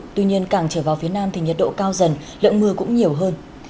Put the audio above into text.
tuy nhiên càng trở vào phía nam thì nhiệt độ cao dần lượng mưa cũng nhiều hơn